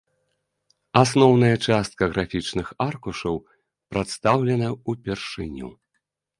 Асноўная частка графічных аркушаў прадстаўлена ўпершыню.